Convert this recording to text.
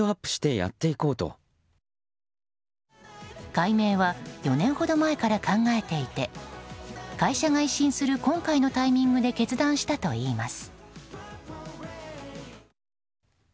改名は４年ほど前から考えていて会社が一新する今回のタイミングで決断したといいます。